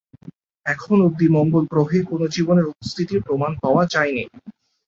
এখন অব্দি মঙ্গল গ্রহে কোন জীবনের উপস্থিতির প্রমাণ পাওয়া যায়নি।